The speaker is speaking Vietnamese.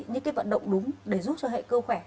những cái vận động đúng để giúp cho hệ cơ khỏe